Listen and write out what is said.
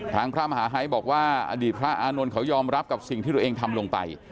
พระมหาฮัยบอกว่าอดีตพระอานนท์เขายอมรับกับสิ่งที่ตัวเองทำลงไป